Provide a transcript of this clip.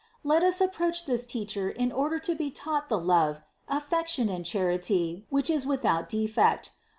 Let us approach this Teacher in order to be taught the love, affection and charity which is without defect.